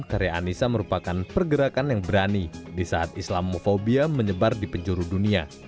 karya anissa merupakan pergerakan yang berani di saat islamofobia menyebar di penjuru dunia